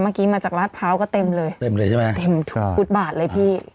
เมื่อกี้มาจากรหัสพร้าวก็เต็มเลยเต็มฟุตบาทเลยพี่